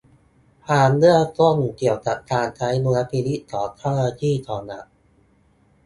ความเบื้องต้นเกี่ยวกับการใช้ดุลพินิจของเจ้าหน้าที่ของรัฐ